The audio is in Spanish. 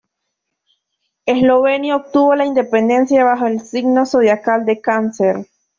Eslovenia obtuvo la independencia bajo el signo zodiacal de Cáncer.